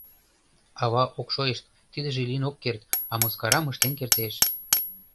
Ава ок шойышт, тидыже лийын ок керт, а мыскарам ыштен кертеш.